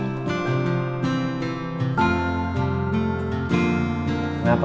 tante aku mau berbicara